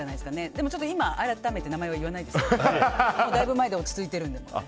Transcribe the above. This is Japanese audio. でも今、改めて名前は言わないですけどだいぶ前で落ち着いてるんで。